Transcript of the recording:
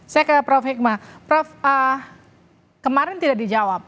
saya ke prof hikmah prof kemarin tidak dijawab